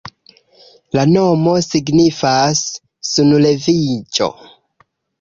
La nomo signifas "sunleviĝo".